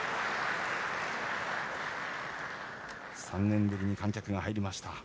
３年ぶりに観客が入りました。